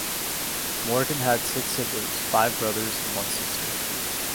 Morgan had six siblings; five brothers and one sister.